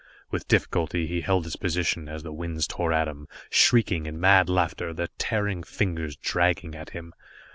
With difficulty he held his position as the winds tore at him, shrieking in mad laughter, their tearing fingers dragging at him.